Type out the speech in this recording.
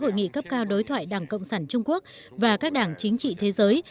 hội nghị cấp cao đối thoại đảng cộng sản trung quốc và các đảng chính trị thế giới